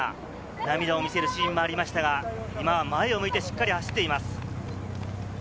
涙を見せるシーンもありましたが、今、前を向いてしっかりと走っています。